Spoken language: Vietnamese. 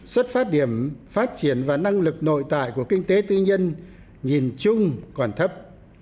xuất phát điểm phát triển và năng lực nội tại của kinh tế tư nhân nhìn chung còn thấp